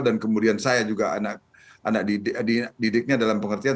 dan kemudian saya juga anak didiknya dalam pengertian